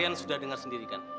yang sudah dengar sendirikan